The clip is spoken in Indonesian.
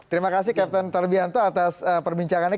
terima kasih captain tarbianto atas perbincangannya